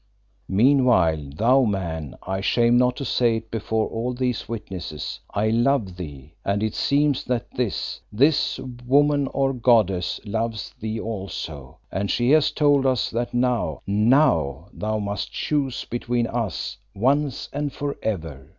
"Meanwhile, thou man, I shame not to say it before all these witnesses, I love thee, and it seems that this this woman or goddess loves thee also, and she has told us that now, now thou must choose between us once and for ever.